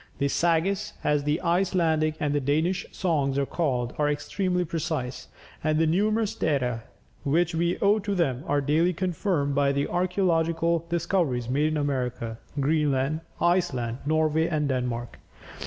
The Sagas, as the Icelandic and Danish songs are called, are extremely precise, and the numerous data which we owe to them are daily confirmed by the archæological discoveries made in America, Greenland, Iceland, Norway, and Denmark.